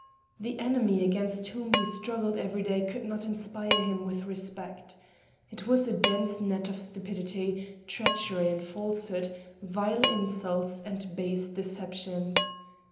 The enemy against whom he struggled every day could not inspire him with respect. It was a dense net of stupidity, treachery and falsehood, vile insults and base deceptions.